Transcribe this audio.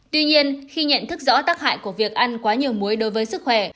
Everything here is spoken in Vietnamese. tuy nhiên khi nhận thức rõ tác hại của việc ăn quá nhiều muối đối với sức khỏe